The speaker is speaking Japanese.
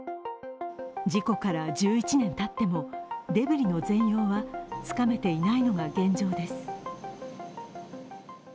事故から１１年たってもデブリの全容はつかめていないのが現状です。